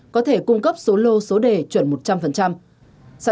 có thể cung cấp số lô số đề chuẩn một trăm linh